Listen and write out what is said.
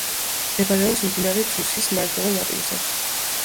მდებარეობს მდინარე ძუსის მარჯვენა ნაპირზე.